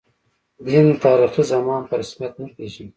دین، تاریخي زمان په رسمیت نه پېژني.